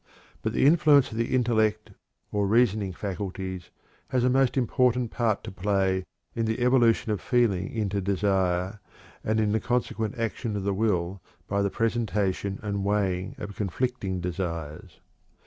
But the influence of the intellect or reasoning faculties has a most important part to play in the evolution of feeling into desire, and in the consequent action of the will by the presentation and weighing of conflicting desires.